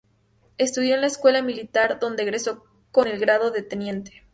Estudió en la Escuela Militar, donde egresó con el grado de teniente.